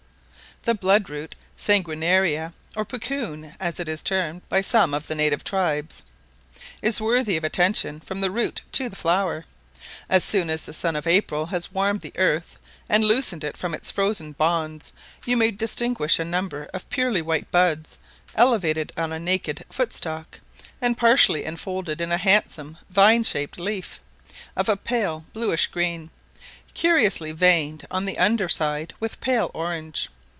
The blood root, sanguinaria, or puccoon, as it is termed by some of the native tribes, is worthy of attention from the root to the flower. As soon as the sun of April has warmed the earth and loosened it from its frozen bonds, you may distinguish a number of purely white buds, elevated on a naked footstalk, and partially enfolded in a handsome vine shaped leaf, of a pale bluish green, curiously veined on the under side with pale orange.